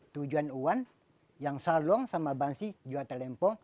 tujuan wan yang saluang sama bansi juga talempong